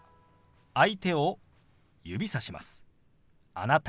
「あなた」。